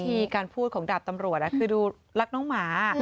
ที่การพูดของดาบตำรวจคือดูรักน้องหมา